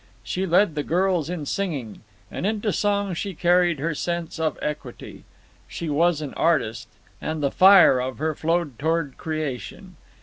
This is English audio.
She led the girls in singing, and into song she carried her sense of equity. She was an artist, and the fire of her flowed toward creation.